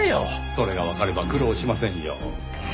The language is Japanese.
それがわかれば苦労しませんよ。